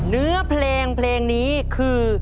เนื้อเพลงเพลงนี้คือ